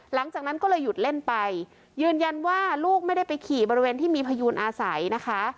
หลังจากนั้นก็เลยหยุดเล่นไปยืนยันว่าลูกไม่ได้ไปขี่บริเวณที่มีพยูนอาศัยนะคะ